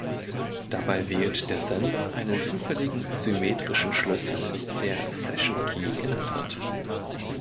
Dabei wählt der Sender einen zufälligen symmetrischen Schlüssel, der "Session-Key" genannt wird.